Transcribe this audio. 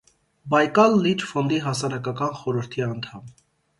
«Բայկալ լիճ» ֆոնդի հասարակական խորհրդի անդամ։